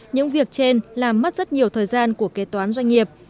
những việc trên làm mất rất nhiều thời gian của kế toán doanh nghiệp